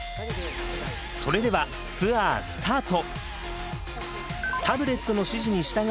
それではツアースタート。